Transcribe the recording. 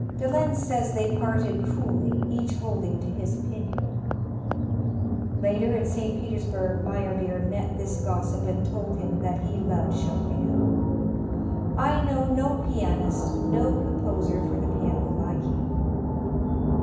De Lenz says they parted coolly, each holding to his opinion. Later, in St. Petersburg, Meyerbeer met this gossip and told him that he loved Chopin. "I know no pianist, no composer for the piano like him."